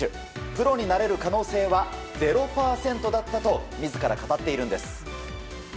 プロになれる可能性は０％だったと自ら語っているんです。